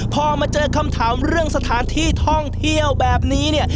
พอมาเจอคำถามเรื่องสถานที่ท่องเที่ยวแบบนี้เนี่ย